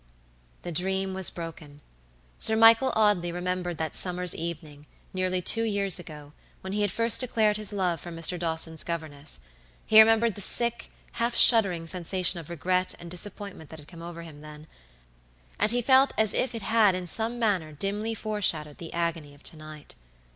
The dream was broken. Sir Michael Audley remembered that summer's evening, nearly two years ago, when he had first declared his love for Mr. Dawson's governess; he remembered the sick, half shuddering sensation of regret and disappointment that had come over him then, and he felt as if it had in some manner dimly foreshadowed the agony of to night.